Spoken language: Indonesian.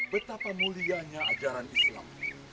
betapa mulianya ajaran islam